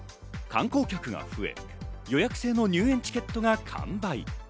観光客が増え、予約制の入園チケットが完売。